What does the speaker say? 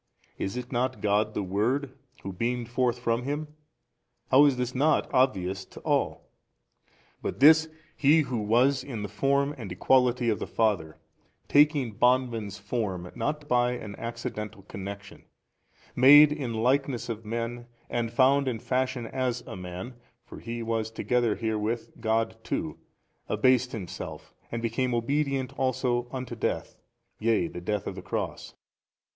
is it not God the Word Who beamed forth from Him? how is this not obvious to all? But this He Who was in the Form and Equality of the Father, taking bondman's form, not by an accidental connection, made in likeness of men and found in fashion as a man (for He was together herewith God too) abased Himself and became obedient also unto death, yea the death of the cross.